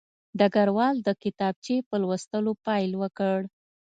ډګروال د کتابچې په لوستلو پیل وکړ